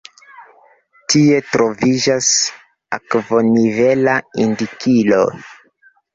Tie troviĝas akvonivela indikilo.